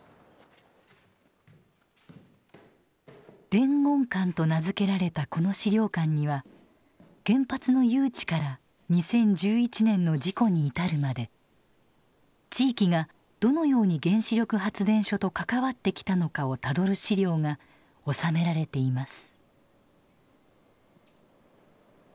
伝言館と名付けられたこの資料館には原発の誘致から２０１１年の事故に至るまで地域がどのように原子力発電所と関わってきたのかをたどる資料が収められています。